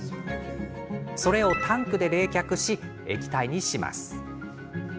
それをタンクで冷却し液体にします。